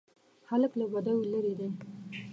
هلک له بدیو لیرې دی.